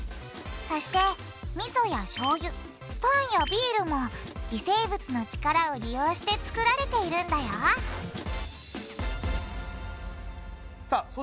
そしてみそやしょうゆパンやビールも微生物の力を利用して作られているんだよさあ